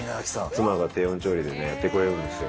妻が低温調理でやってくれるんですよ。